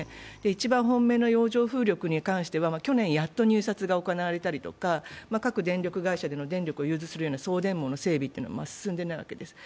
一番本命の洋上風力に関しては去年やっと入札が行われたりとか、各電力会社で電力を融通するような送電網の整備は進んでいないわけです。